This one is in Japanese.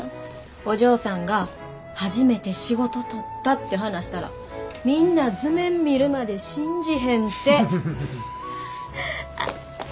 お嬢さんが初めて仕事取ったって話したらみんな図面見るまで信じへんて！